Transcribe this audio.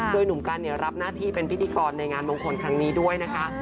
โดยหนุ่มกันรับหน้าที่เป็นพิธีกรในงานมงคลครั้งนี้ด้วยนะคะ